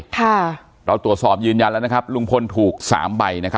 ค่ะเราตรวจสอบยืนยันแล้วนะครับลุงพลถูกสามใบนะครับ